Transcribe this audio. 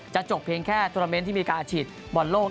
จะจบเพียงแค่ตรวมเม้นที่มีการอัดฉีดบอลโลก